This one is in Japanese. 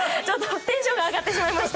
テンションが上がってしまいまして。